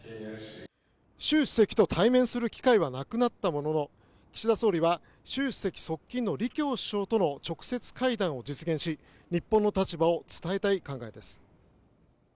習主席と対面する機会はなくなったものの岸田総理は習主席側近の李強首相との直接会談を実現し日本の立場を伝えたい考えです。